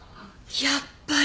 やっぱり。